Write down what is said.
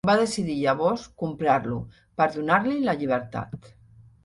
Va decidir llavors comprar-lo per donar-li la llibertat.